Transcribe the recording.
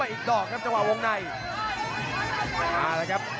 ต้องบอกว่าคนที่จะโชคกับคุณพลน้อยสภาพร่างกายมาต้องเกินร้อยครับ